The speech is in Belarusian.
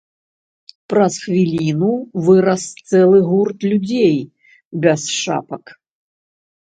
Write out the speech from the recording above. Праз хвіліну вырас цэлы гурт людзей без шапак.